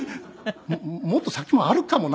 もっと先もあるかもな？とか。